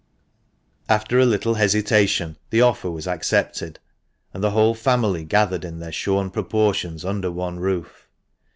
After a little hesitation the offer was accepted, and the whole family gathered in their shorn proportions under one roof.